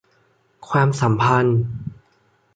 ความสัมพันธ์